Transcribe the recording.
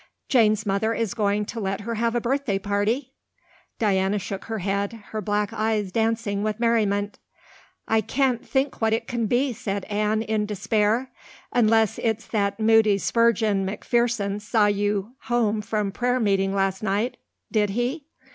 "Jane's mother is going to let her have a birthday party?" Diana shook her head, her black eyes dancing with merriment. "I can't think what it can be," said Anne in despair, "unless it's that Moody Spurgeon MacPherson saw you home from prayer meeting last night. Did he?"